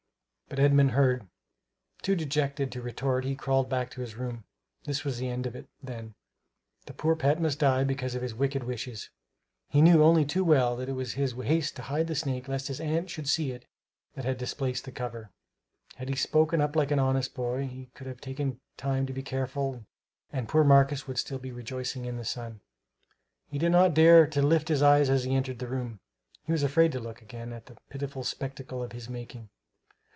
But Edmund heard. Too dejected to retort, he crawled back to his room. This was the end of it, then. The poor pet must die because of his wicked wishes. He knew only too well that it was his haste to hide the snake lest his aunt should see it, that had displaced the cover. Had he spoken up like an honest boy he could have taken time to be careful and poor Marcus would still be rejoicing in the sun. He did not dare to lift his eyes as he entered the room; he was afraid to look again on that pitiful spectacle of his making.